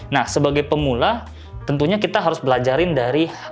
nah sebagai pemula tentunya kita harus belajarin dari